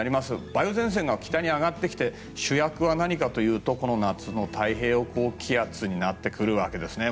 梅雨前線が北に上がってきて主役は何かというと夏の太平洋高気圧になってくるわけですね。